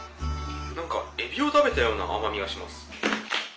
何かエビを食べたような甘みがします。